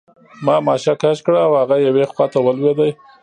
ما ماشه کش کړه او هغه یوې خواته ولوېد